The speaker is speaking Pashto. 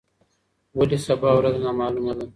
ولي سبا ورځ نامعلومه ده؟